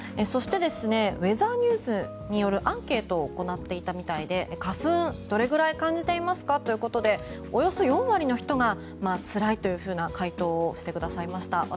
そして、ウェザーニューズによるアンケートを行っていたみたいで花粉、どれぐらい感じていますかということでおよそ４割の人がつらいという回答をしてくださいました。